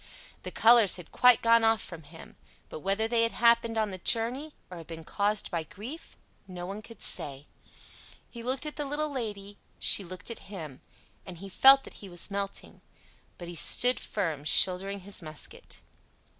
The colors had quite gone off from him; but whether that had happened on the journey, or had been caused by grief, no one could say. He looked at the little Lady, she looked at him, and he felt that he was melting; but he stood firm, shouldering his musket.